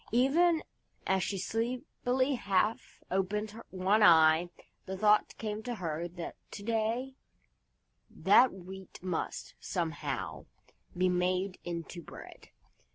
Even as she sleepily half opened one eye, the thought came to her that to day that Wheat must, somehow, be made into bread.